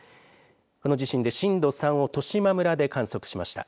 この地震で震度３を十島村で観測しました。